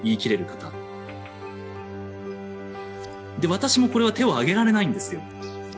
私もこれは手をあげられないんですよ。